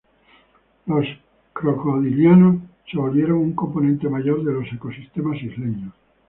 Los crocodilianos se volvieron un componente mayor de los ecosistemas isleños.